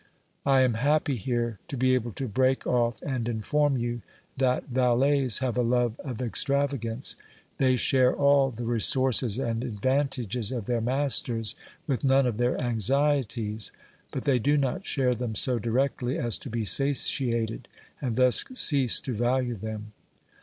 I am happy here to be able to break oif and inform you that valets have a love of extravagance. They share all the resources and advantages of their masters, with none of their anxieties, but they do not share them so directly as to be satiated, and thus cease to value them.